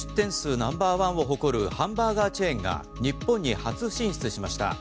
ナンバーワンを誇るハンバーガーチェーンが日本に初進出しました。